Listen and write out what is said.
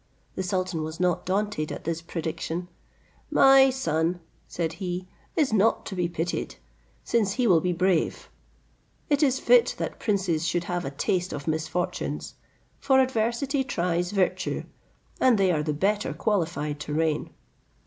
The sultan was not daunted at this prediction: "My son," said he, "is not to be pitied, since he will be brave: it is fit that princes should have a taste of misfortunes; for adversity tries virtue, and they are the better qualified to reign."